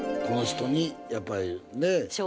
この人にやっぱりねえ。